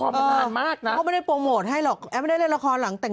มานานมากนะเขาไม่ได้โปรโมทให้หรอกแอปไม่ได้เล่นละครหลังแต่ง